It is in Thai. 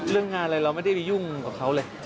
เรื่องงานอะไรเราไม่ได้ไปยุ่งกับเขาเลย